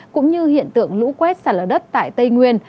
cũng như hiện tượng lũ quét xả lở đất tại tây nguyên